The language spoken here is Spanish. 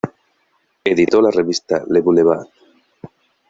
Editó la revista "Le Boulevard".